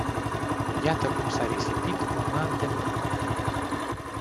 Iată cum s-a risipit un an de muncă.